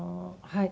はい。